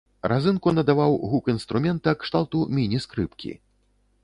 Разынку надаваў гук інструмента кшталту міні-скрыпкі.